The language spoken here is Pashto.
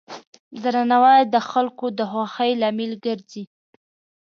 درناوی د خلکو د خوښۍ لامل ګرځي.